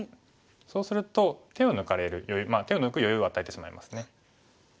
そうすると手を抜かれる手を抜く余裕を与えてしまいますね。